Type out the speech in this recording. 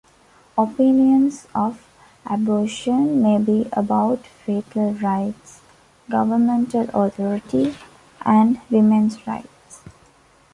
Opinions of abortion may be about fetal rights, governmental authority, and women's rights.